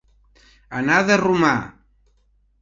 Anar de romà.